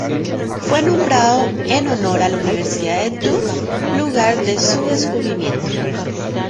Fue nombrado en honor a la Universidad de Tufts, lugar de su descubrimiento.